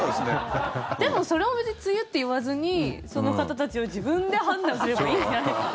でも、それを別に梅雨って言わずにその方たちは自分で判断すればいいんじゃないかな。